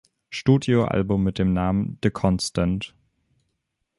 Studioalbum mit dem Namen "The Constant".